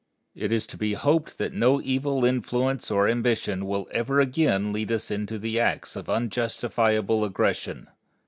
It is to be hoped that no evil influence or ambition will ever again lead us into acts of unjustifiable aggression.